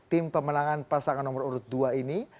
tim pemenangan pasangan nomor urut dua ini